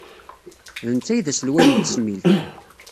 D netta ay d aselway n tesmilt.